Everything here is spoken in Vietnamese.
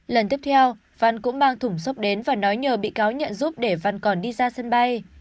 lần tiếp theo văn cũng mang thủng sốc đến và nói nhờ bị cáo nhận giúp để văn còn đi ra sân bay